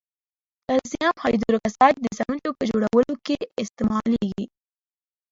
کلسیم هایدروکساید د سمنټو په جوړولو کې استعمالیږي.